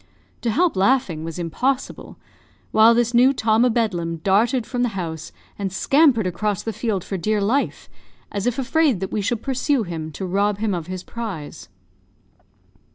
To help laughing was impossible; while this new Tom o' Bedlam darted from the house, and scampered across the field for dear life, as if afraid that we should pursue him, to rob him of his prize.